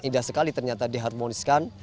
indah sekali ternyata diharmoniskan